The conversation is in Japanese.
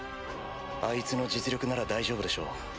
あいつの実力なら大丈夫でしょう。